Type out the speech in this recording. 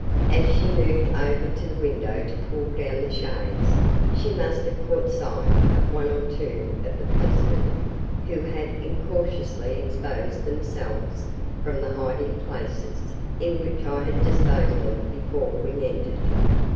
As she moved over to the window to pull down the shades, she must have caught sight of one or two of the policemen who had incautiously exposed themselves from the hiding places in which I had disposed them before we entered.